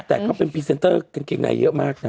แต่เขาเป็นพรีเซนเตอร์กางเกงในเยอะมากนะ